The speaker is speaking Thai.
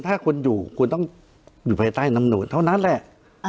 ถ้าคุณอยู่คุณต้องอยู่ภายใต้น้ำโหดเท่านั้นแหละ